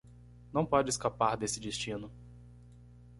Não pode escapar desse destino